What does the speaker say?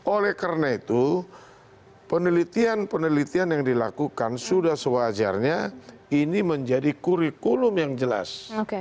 oleh karena itu penelitian penelitian yang dilakukan sudah sewajarnya ini menjadi kurikulum yang jelas